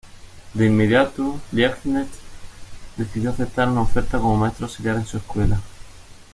De inmediato, Liebknecht decidió aceptar una oferta como maestro auxiliar en su escuela.